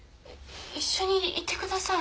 一緒にいてください。